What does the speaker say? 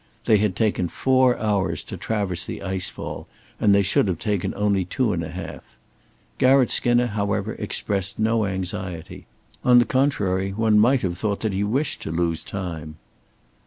They had taken four hours to traverse the ice fall, and they should have taken only two and a half. Garratt Skinner, however, expressed no anxiety. On the contrary, one might have thought that he wished to lose time.